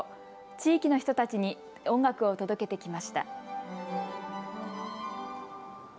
地域の人たちに音楽を届けてきました。